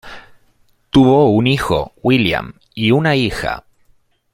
Tuvo un hijo, William, y una hija.